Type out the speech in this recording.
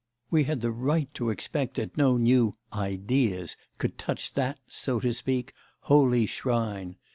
We had the right to expect that no new "ideas" could touch that, so to speak, holy shrine.